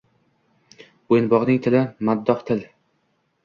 Boʼyinbogʼning tili – maddoh til